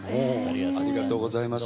ありがとうございます。